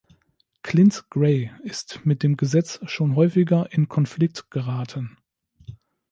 Clint Gray ist mit dem Gesetz schon häufiger in Konflikt geraten.